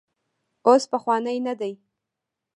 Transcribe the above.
اوس پخوانی نه دی.